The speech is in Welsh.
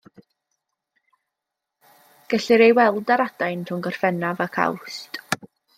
Gellir ei weld ar adain rhwng Gorffennaf ac Awst.